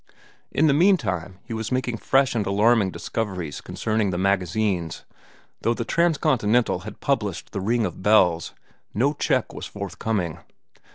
In the meantime he was making fresh and alarming discoveries concerning the magazines. Though the Transcontinental had published "The Ring of Bells," no check was forthcoming.